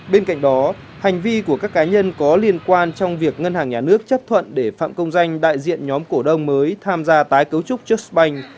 bên cạnh đó hành vi của các cá nhân có liên quan trong việc ngân hàng nhà nước chấp thuận để phạm công danh đại diện nhóm cổ đông mới tham gia tái cấu trúc chất bank